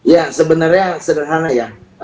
ya sebenarnya sederhana ya